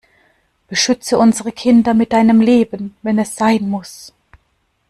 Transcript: Beschütze unsere Kinder mit deinem Leben, wenn es sein muss!